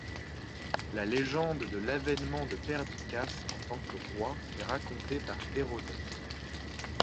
La légende de l'avènement de Perdiccas en tant que roi est racontée par Hérodote.